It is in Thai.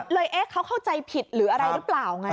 เอ๊ะเขาเข้าใจผิดหรืออะไรหรือเปล่าไง